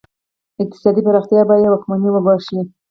اقتصادي پراختیا به یې واکمني وګواښي.